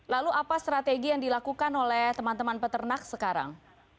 lalu apa strategi yang dilakukan oleh teman teman peternak sekarang